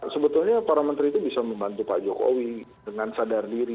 sebetulnya para menteri itu bisa membantu pak jokowi dengan sadar diri